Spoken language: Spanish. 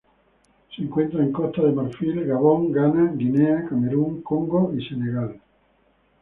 Se encuentra en Costa de Marfil, Gabón, Ghana, Guinea, Camerún, Congo y Senegal.